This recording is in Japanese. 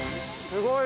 ◆すごい。